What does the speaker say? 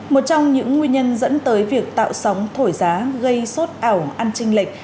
một trong những nguyên nhân dẫn tới việc tạo sóng thổi giá gây sốt ảo ăn trinh lệch